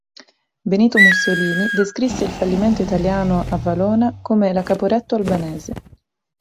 Benito Mussolini descrisse il fallimento italiano a Valona come la "Caporetto albanese".